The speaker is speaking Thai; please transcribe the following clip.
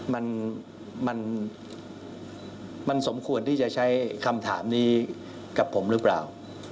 มันมันสมควรที่จะใช้คำถามนี้กับผมหรือเปล่า